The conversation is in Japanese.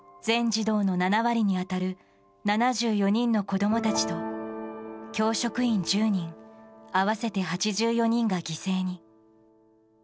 全児童の７割に当たる７４人の子供たちと教職員１０人合わせて８４人が犠牲に。